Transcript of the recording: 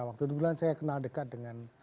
waktu itu bilang saya kenal dekat dengan